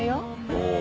おお。